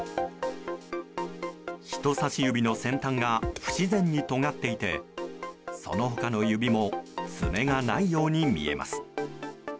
人差し指の先端が不自然にとがっていてその他の指も爪がないように見えます。